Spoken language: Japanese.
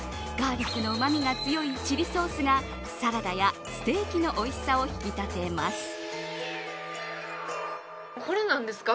ガーリックのうま味が強いチリソースがサラダやステーキのおいしさを引き立てます。